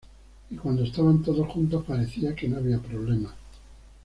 Y cuando estaban todos juntos, parecía que no había problemas.